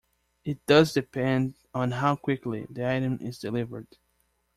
It does depend on how quickly the item is delivered.